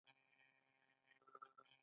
د کونړ په نرنګ کې د کرومایټ نښې شته.